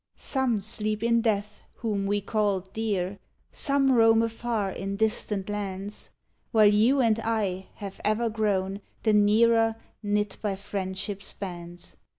Some sleep in death whom we called dear; Some roam afar in distant lands, While you and I have ever grown The nearer, knit by Friendship's bands!